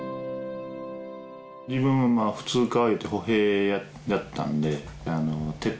自分は普通科いうて歩兵だったので。